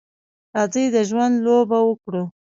راځئ د ژوند لوبه وکړو.